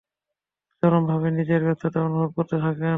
চরমভাবে নিজের ব্যর্থতা অনুভব করতে থাকেন।